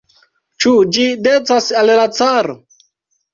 Ĉu ĝi decas al la caro?